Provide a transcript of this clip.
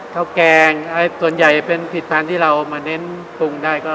แกงส่วนใหญ่เป็นผิดทานที่เรามาเน้นปรุงได้ก็